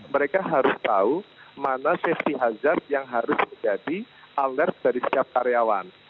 mereka harus tahu mana safety hazard yang harus menjadi alert dari setiap karyawan